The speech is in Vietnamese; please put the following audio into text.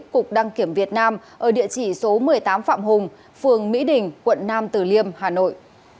cục đăng kiểm việt nam ở địa chỉ số một mươi tám phạm hùng phường mỹ đình quận nam tử liêm hà nội